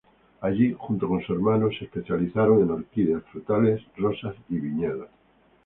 Allí, junto con su hermano, se especializaron en orquídeas, frutales, rosas y viñedos.